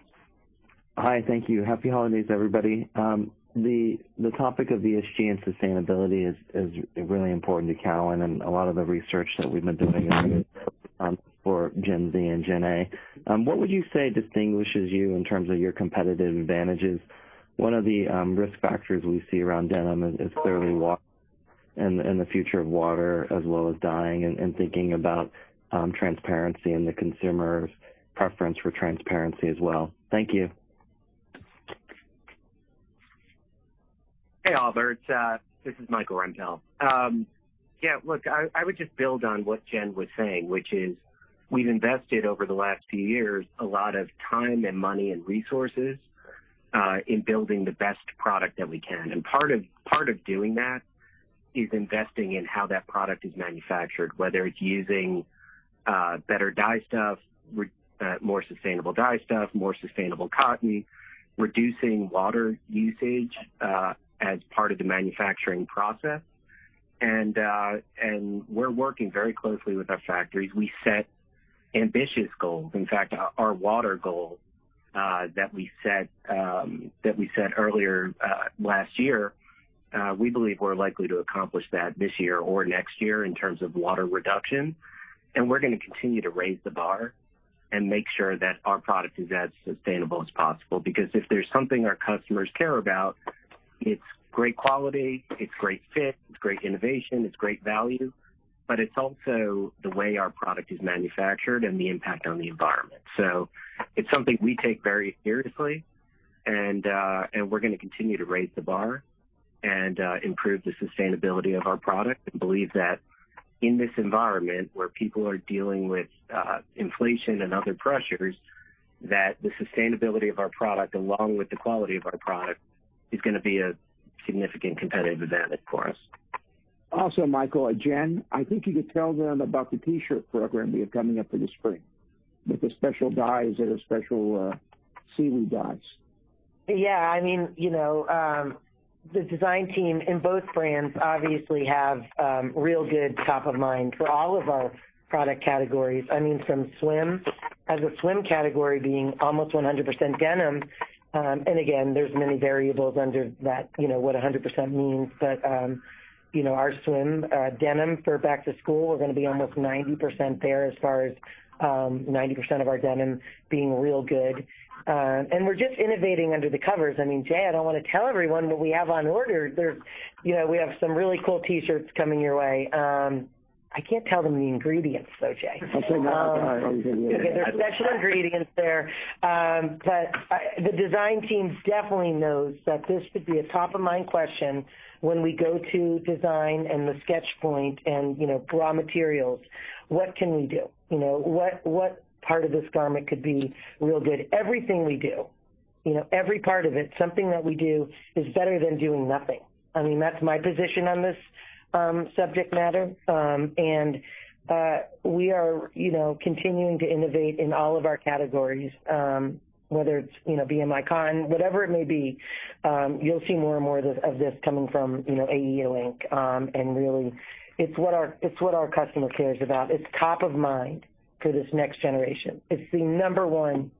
Hi. Thank you. Happy holidays, everybody. The topic of ESG and sustainability is really important to Cowen and a lot of the research that we've been doing for Gen Z and Gen Alpha. What would you say distinguishes you in terms of your competitive advantages? One of the risk factors we see around denim is clearly and the future of water as well as dyeing and thinking about transparency and the consumer's preference for transparency as well. Thank you. Hey, Oliver. This is Michael Rempell. I would just build on what Jen was saying, which is we've invested over the last few years a lot of time and money and resources in building the best product that we can. Part of doing that is investing in how that product is manufactured, whether it's using better dye stuff, more sustainable dye stuff, more sustainable cotton, reducing water usage as part of the manufacturing process. We're working very closely with our factories. We set ambitious goals. In fact, our water goal that we set earlier last year, we believe we're likely to accomplish that this year or next year in terms of water reduction. We're gonna continue to raise the bar and make sure that our product is as sustainable as possible, because if there's something our customers care about, it's great quality, it's great fit, it's great innovation, it's great value, but it's also the way our product is manufactured and the impact on the environment. It's something we take very seriously. We're gonna continue to raise the bar and improve the sustainability of our product and believe that in this environment where people are dealing with inflation and other pressures, that the sustainability of our product, along with the quality of our product, is gonna be a significant competitive advantage for us. Also, Michael Rempell and Jennifer Foyle, I think you could tell them about the T-shirt program you have coming up for the spring with the special dyes or the special, seaweed dyes. Yeah, I mean, you know, the design team in both brands obviously have Real Good top of mind for all of our product categories, I mean, from swim as a swim category being almost 100% denim. Again, there's many variables under that, you know, what 100% means. You know, our swim and denim for back to school, we're gonna be almost 90% there as far as 90% of our denim being Real Good. We're just innovating under the covers. I mean, Jay, I don't wanna tell everyone what we have on order. You know, we have some really cool T-shirts coming your way. I can't tell them the ingredients, though, Jay. I'll say no. There are special ingredients there. The design team definitely knows that this could be a top of mind question when we go to design and the sketch point and, you know, raw materials, what can we do? You know, what part of this garment could be Real Good? Everything we do You know, every part of it, something that we do is better than doing nothing. I mean, that's my position on this, subject matter. We are, you know, continuing to innovate in all of our categories, whether it's, you know, BMI Con, whatever it may be, you'll see more and more of this coming from, you know, AEO Inc Really it's what our customer cares about. It's top of mind for this next generation. It's the number one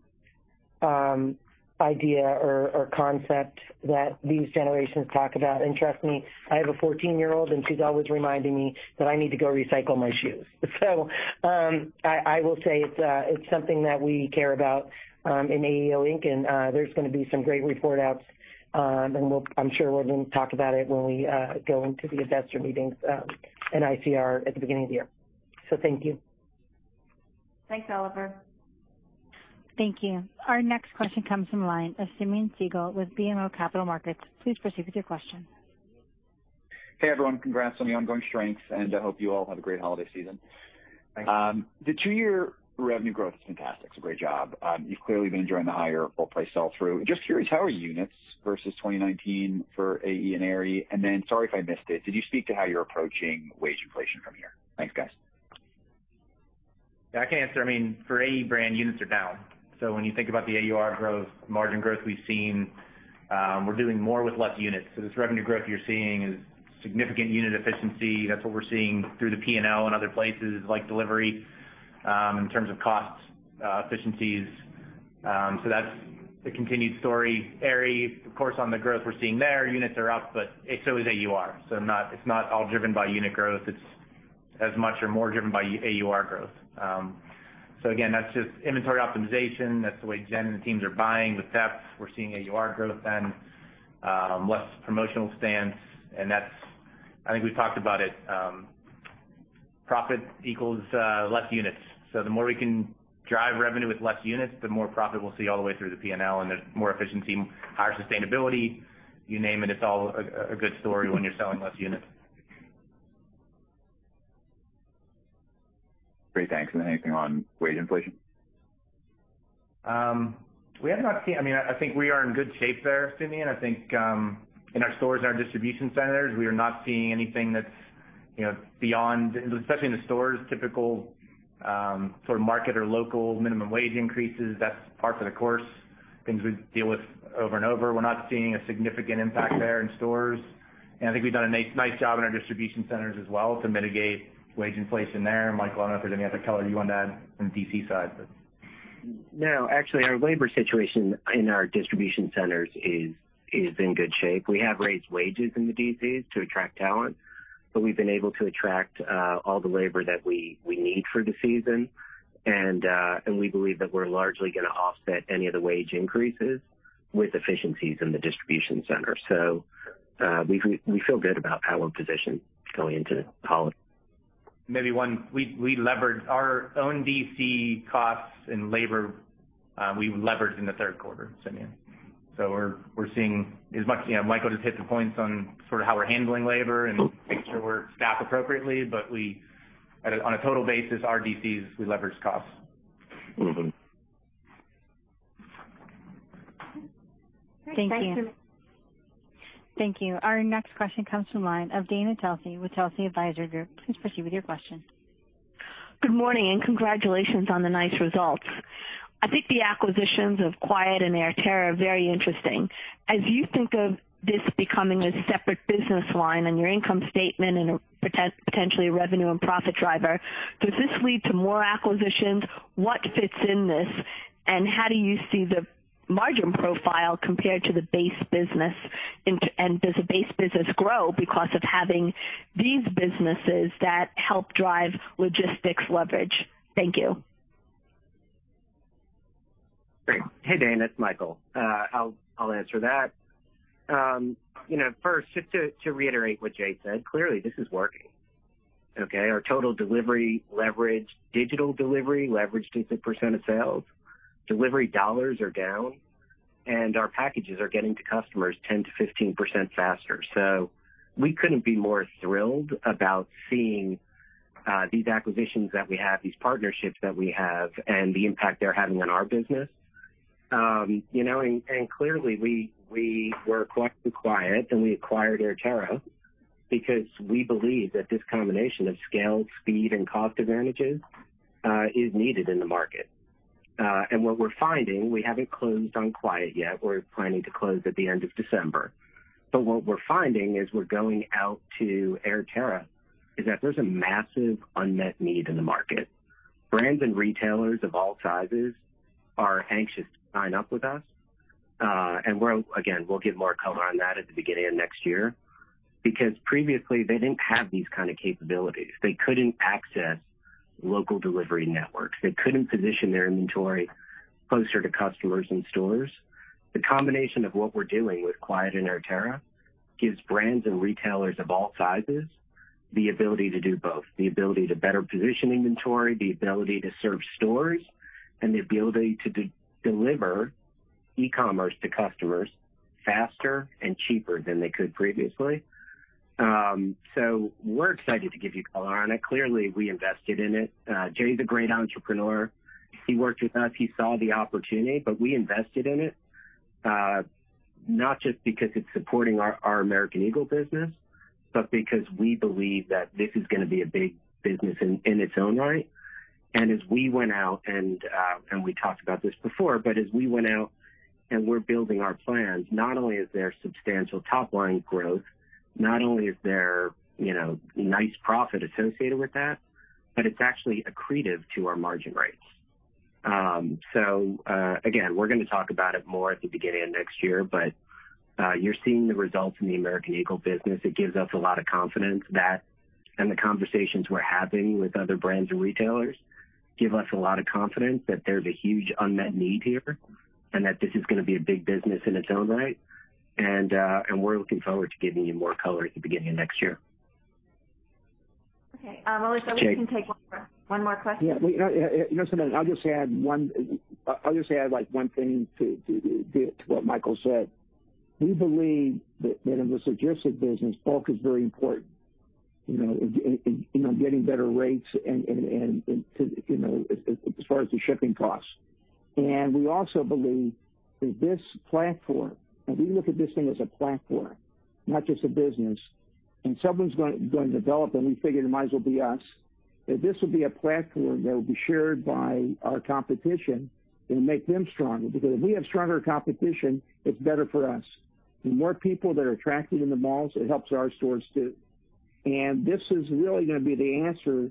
idea or concept that these generations talk about. Trust me, I have a 14-year-old, and she's always reminding me that I need to go recycle my shoes. I will say it's something that we care about in AEO Inc, and there's gonna be some great report outs, and I'm sure we're gonna talk about it when we go into the investor meetings in ICR at the beginning of the year. Thank you. Thanks, Oliver. Thank you. Our next question comes from the line of Simeon Siegel with BMO Capital Markets. Please proceed with your question. Hey, everyone. Congrats on the ongoing strengths, and I hope you all have a great holiday season. Thanks. The two-year revenue growth is fantastic. It's a great job. You've clearly been enjoying the higher full price sell through. Just curious, how are units versus 2019 for AE and Aerie? And then, sorry if I missed it, did you speak to how you're approaching wage inflation from here? Thanks, guys. Yeah, I can answer. I mean, for AE brand, units are down. When you think about the AUR growth, margin growth we've seen, we're doing more with less units. This revenue growth you're seeing is significant unit efficiency. That's what we're seeing through the P&L and other places like delivery, in terms of costs, efficiencies. That's the continued story. Aerie, of course, on the growth we're seeing there, units are up, but it's always AUR. It's not all driven by unit growth, it's as much or more driven by AUR growth. Again, that's just inventory optimization. That's the way Jen and the teams are buying with Pep. We're seeing AUR growth then, less promotional stance. That's, I think we've talked about it, profit equals less units. The more we can drive revenue with less units, the more profit we'll see all the way through the P&L. There's more efficiency, higher sustainability, you name it. It's all a good story when you're selling less units. Great. Thanks. Anything on wage inflation? We have not seen. I mean, I think we are in good shape there, Simeon. I think, in our stores and our distribution centers, we are not seeing anything that's, you know, beyond, especially in the stores, typical sort of market or local minimum wage increases. That's par for the course, things we deal with over and over. We're not seeing a significant impact there in stores. I think we've done a nice job in our distribution centers as well to mitigate wage inflation there. Michael, I don't know if there's any other color you want to add on the DC side, but. No, actually, our labor situation in our distribution centers is in good shape. We have raised wages in the DCs to attract talent, but we've been able to attract all the labor that we need for the season. We believe that we're largely gonna offset any of the wage increases with efficiencies in the distribution center. We feel good about how we're positioned going into the holiday. Maybe one. We levered our own DC costs and labor, we leveraged in the third quarter, Simeon. We're seeing as much, you know, Michael just hit the points on sort of how we're handling labor and making sure we're staffed appropriately. But we, on a total basis, our DCs, we leverage costs. Mm-hmm. Thank you. Thanks. Thank you. Our next question comes from the line of Dana Telsey with Telsey Advisory Group. Please proceed with your question. Good morning, and congratulations on the nice results. I think the acquisitions of Quiet and AirTerra are very interesting. As you think of this becoming a separate business line on your income statement and a potentially a revenue and profit driver, does this lead to more acquisitions? What fits in this, and how do you see the margin profile compared to the base business? Does the base business grow because of having these businesses that help drive logistics leverage? Thank you. Great. Hey, Dana, it's Michael. I'll answer that. You know, first, just to reiterate what Jay said, clearly this is working, okay? Our total delivery leverage, digital delivery leverage is a percent of sales. Delivery dollars are down, and our packages are getting to customers 10%-15% faster. We couldn't be more thrilled about seeing these acquisitions that we have, these partnerships that we have, and the impact they're having on our business. You know, and clearly we were acquiring Quiet and we acquired AirTerra because we believe that this combination of scale, speed, and cost advantages is needed in the market. What we're finding, we haven't closed on Quiet yet. We're planning to close at the end of December. What we're finding is we're going out to AirTerra is that there's a massive unmet need in the market. Brands and retailers of all sizes are anxious to sign up with us. We're again, we'll give more color on that at the beginning of next year because previously they didn't have these kind of capabilities. They couldn't access local delivery networks. They couldn't position their inventory closer to customers and stores. The combination of what we're doing with Quiet and AirTerra gives brands and retailers of all sizes the ability to do both, the ability to better position inventory, the ability to serve stores, and the ability to deliver e-commerce to customers faster and cheaper than they could previously. We're excited to give you color on it. Clearly, we invested in it. Jay is a great entrepreneur. He worked with us. He saw the opportunity, but we invested in it, not just because it's supporting our American Eagle business, but because we believe that this is gonna be a big business in its own right. As we went out and we talked about this before, but as we went out and we're building our plans, not only is there substantial top line growth, not only is there, you know, nice profit associated with that, but it's actually accretive to our margin rates. We're gonna talk about it more at the beginning of next year, but you're seeing the results in the American Eagle business. It gives us a lot of confidence that, The conversations we're having with other brands and retailers give us a lot of confidence that there's a huge unmet need here and that this is gonna be a big business in its own right. We're looking forward to giving you more color at the beginning of next year. Okay. Melissa, we can take one more question. Yeah. Well, you know, just a minute. I'll just add, like, one thing to what Michael said. We believe that in the logistics business, bulk is very important. You know, in getting better rates and to you know, as far as the shipping costs. We also believe that this platform, and we look at this thing as a platform, not just a business. Someone's gonna develop it, and we figured it might as well be us, that this will be a platform that will be shared by our competition and make them stronger. Because if we have stronger competition, it's better for us. The more people that are attracted in the malls, it helps our stores too. This is really gonna be the answer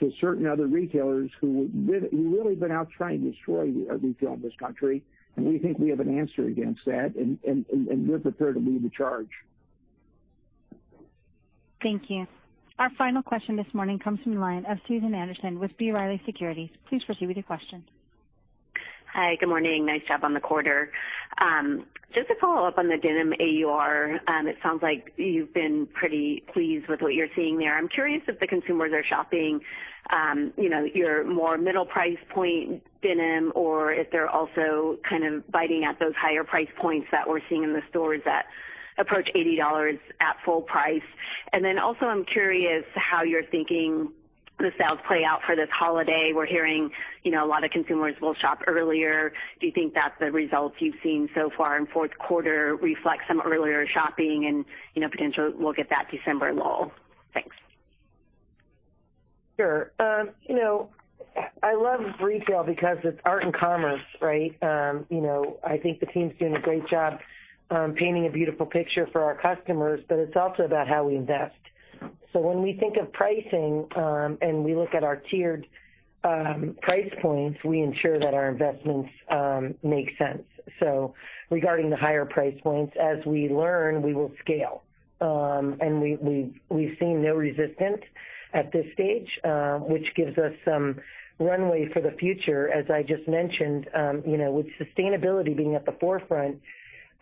to certain other retailers who have really been out trying to destroy retail in this country. We think we have an answer against that, and we're prepared to lead the charge. Thank you. Our final question this morning comes from the line of Susan Anderson with B. Riley Securities. Please proceed with your question. Hi. Good morning. Nice job on the quarter. Just to follow up on the denim AUR, it sounds like you've been pretty pleased with what you're seeing there. I'm curious if the consumers are shopping, you know, your more middle price point denim or if they're also kind of biting at those higher price points that we're seeing in the stores that approach $80 at full price. Then also, I'm curious how you're thinking the sales play out for this holiday. We're hearing, you know, a lot of consumers will shop earlier. Do you think that the results you've seen so far in fourth quarter reflect some earlier shopping and, you know, potentially we'll get that December lull? Thanks. Sure. You know, I love retail because it's art and commerce, right? You know, I think the team's doing a great job, painting a beautiful picture for our customers, but it's also about how we invest. When we think of pricing, and we look at our tiered price points, we ensure that our investments make sense. Regarding the higher price points, as we learn, we will scale. We've seen no resistance at this stage, which gives us some runway for the future. As I just mentioned, you know, with sustainability being at the forefront,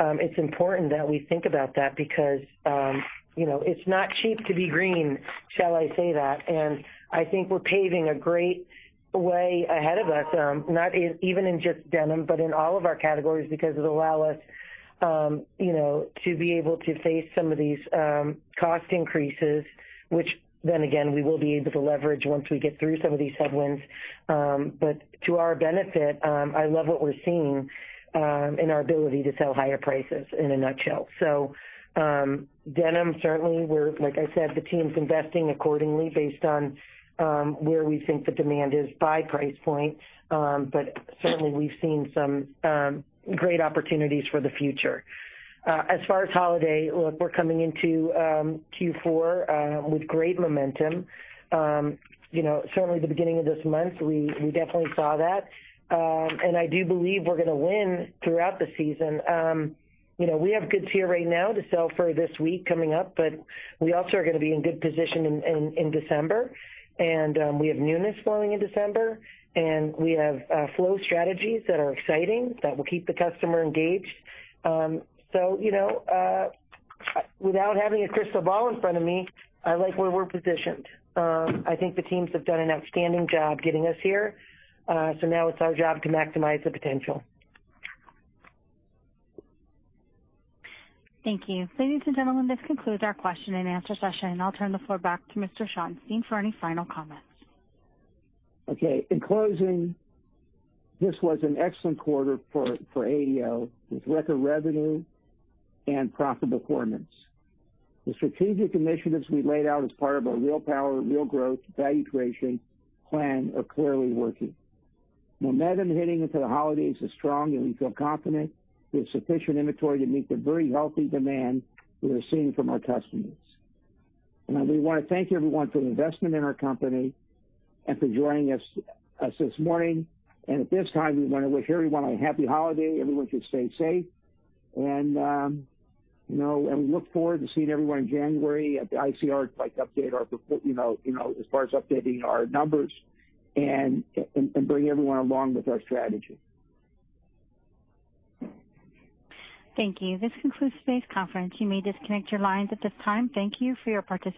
it's important that we think about that because, you know, it's not cheap to be green, shall I say that. I think we're paving a great way ahead of us, even in just denim, but in all of our categories because it'll allow us, you know, to be able to face some of these cost increases, which then again, we will be able to leverage once we get through some of these headwinds. To our benefit, I love what we're seeing in our ability to sell higher prices in a nutshell. Denim, certainly like I said, the team's investing accordingly based on where we think the demand is by price point. Certainly we've seen some great opportunities for the future. As far as holiday, look, we're coming into Q4 with great momentum. You know, certainly the beginning of this month, we definitely saw that. I do believe we're gonna win throughout the season. You know, we have goods here right now to sell for this week coming up, but we also are gonna be in good position in December. We have newness flowing in December, and we have flow strategies that are exciting that will keep the customer engaged. You know, without having a crystal ball in front of me, I like where we're positioned. I think the teams have done an outstanding job getting us here. Now it's our job to maximize the potential. Thank you. Ladies and gentlemen, this concludes our question-and-answer session. I'll turn the floor back to Mr. Schottenstein for any final comments. Okay. In closing, this was an excellent quarter for AEO with record revenue and profit performance. The strategic initiatives we laid out as part of our Real Power. Real Growth. value creation plan are clearly working. Momentum heading into the holidays is strong, and we feel confident with sufficient inventory to meet the very healthy demand we are seeing from our customers. We wanna thank everyone for the investment in our company and for joining us this morning. At this time, we wanna wish everyone a happy holiday. Everyone should stay safe. We look forward to seeing everyone in January at the ICR to update our report as far as updating our numbers and bring everyone along with our strategy. Thank you. This concludes today's conference. You may disconnect your lines at this time. Thank you for your participation.